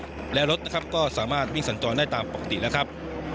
นะแล้วรถครับก็สามารถบิ่งส่นจอได้ตามปกตินะครับ